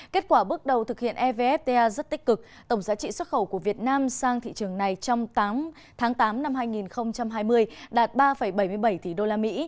kết quả bước đầu thực hiện evfta rất tích cực tổng giá trị xuất khẩu của việt nam sang thị trường này trong tháng tám năm hai nghìn hai mươi đạt ba bảy mươi bảy tỷ đô la mỹ